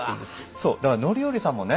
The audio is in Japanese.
そうだから範頼さんもね